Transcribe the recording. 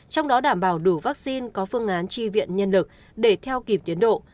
trong đó đảm bảo đủ vaccine có phương án tri viện nhân lực để theo kịp tiến độ